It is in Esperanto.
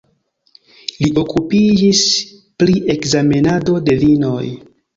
Li okupiĝis pri ekzamenado de vinoj.